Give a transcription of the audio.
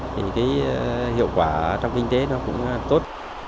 thì hiệu quả trong kinh tế nó cũng tốt